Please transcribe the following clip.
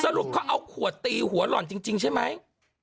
รุปเขาเอาขวดตีหัวหล่อนจริงใช่ไหม